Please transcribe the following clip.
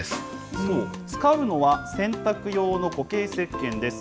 そう、使うのは洗濯用の固形せっけんです。